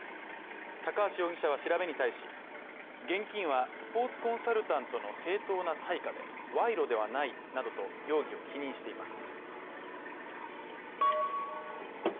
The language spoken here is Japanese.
高橋容疑者は調べに対し、現金はスポーツコンサルタントの正当な対価で、賄賂ではないなどと、容疑を否認しています。